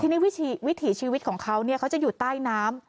ทีนี้วิถีชีวิตของเขาเขาจะอยู่ใต้น้ำ